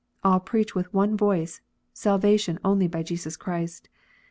All preach with one voice, salvation only by Jesus Christ.